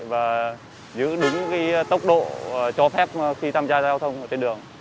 và giữ đúng tốc độ cho phép khi tham gia giao thông trên đường